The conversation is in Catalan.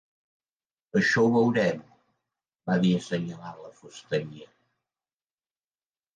"Això ho veurem", va dir, assenyalant la fusteria.